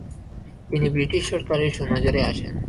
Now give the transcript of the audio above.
তিনি ব্রিটিশ সরকারের সুনজরে আসেন।